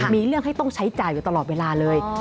มีเรื่องให้ต้องใช้จ่ายอยู่ตลอดเวลาเลย